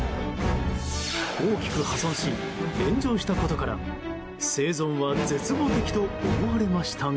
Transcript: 大きく破損し炎上したことから生存は絶望的と思われましたが。